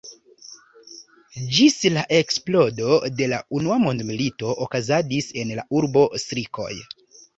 Ĝis la eksplodo de la Unua Mondmilito okazadis en la urbo strikoj.